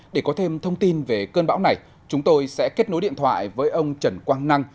để có thêm thông tin về cơn bão này chúng tôi sẽ kết nối điện thoại với ông trần quang năng